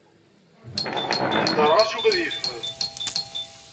Heddreɣ-as, yugi ad ifhem.